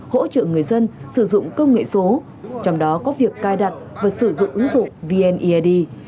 hỗ trợ người dân sử dụng công nghệ số trong đó có việc cài đặt và sử dụng ứng dụng vneid